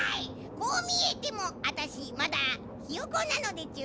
こうみえてもあたしまだひよこなのでちゅ。